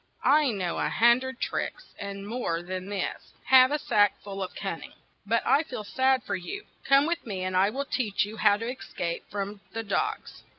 "I know a hun dred tricks, and more than this, have a sack full of cun ning. But I feel sad for you : come with me, and I will teach you how to es cape from the dogs."